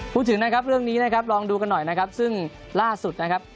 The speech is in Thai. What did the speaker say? พูดถึงเรื่องนี้ลองดูกันหน่อยซึ่งล่าสุดนะครับ